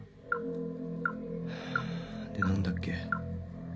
「で何だっけ？」